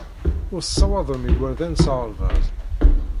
Ur tessawaḍem igerdan s aɣerbaz.